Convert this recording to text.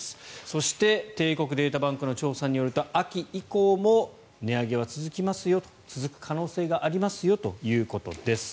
そして帝国データバンクの調査によると秋以降も値上げは続きますよと続く可能性がありますよということです。